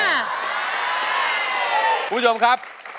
คุณผู้ชมครับ